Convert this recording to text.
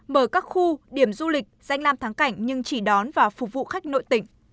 mở các khu điểm du lịch danh làm tháng cảnh nhưng chỉ đón và phục vụ khách nội tỉnh